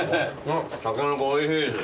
タケノコおいしいです。